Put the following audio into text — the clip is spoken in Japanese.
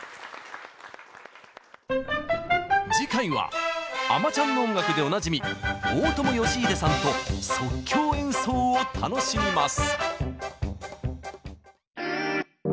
次回は「あまちゃん」の音楽でおなじみ大友良英さんと即興演奏を楽しみます。